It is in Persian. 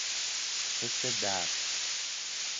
حس درد